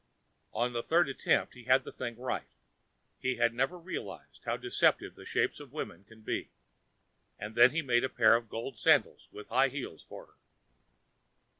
On the third attempt he had the thing right he had never realized how deceptive the shapes of women could be and then he made a pair of gold sandals with high heels for her.